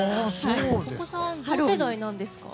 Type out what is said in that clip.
お子さん同世代なんですか？